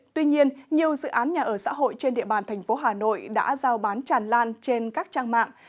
tuy nhiên nhiều dự án nhà ở xã hội trên địa bàn thành phố hà nội đã giao bán tràn lan trên các trang mạng